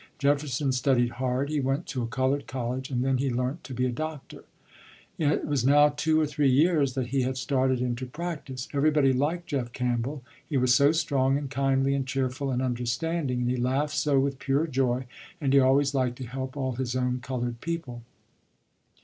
Jefferson studied hard, he went to a colored college, and then he learnt to be a doctor. It was now two or three years, that he had started in to practice. Everybody liked Jeff Campbell, he was so strong and kindly and cheerful and understanding, and he laughed so with pure joy, and he always liked to help all his own colored people.